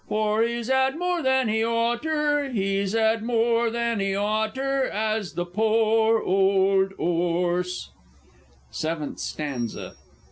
For he's 'ad more than he oughter, He's 'ad more than he oughter, 'As the poor old 'orse! _Seventh Stanza.